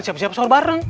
siap siap sahur bareng